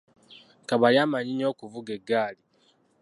Kabali amanyi nnyo okuvuga eggaali